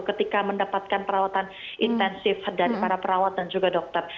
ketika mendapatkan perawatan intensif dan para perawatan juga dokter